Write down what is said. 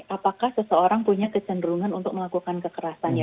apakah seseorang punya kecenderungan untuk melakukan kekerasan ya